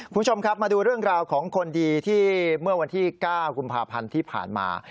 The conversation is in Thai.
คุณผู้ชมครับมาดูเรื่องราวของคนดีที่เมื่อวันที่๙กุมภาพันธ์ที่ผ่านมา